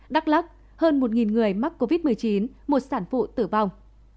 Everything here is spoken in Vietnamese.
đắk lắc hơn một người mắc covid một mươi chín một sản phụ tử vong